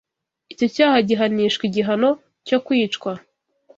Icyo cyaha gihanishwa igihano cyo kwicwa.